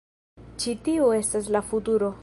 Ĉi tiu estas la futuro.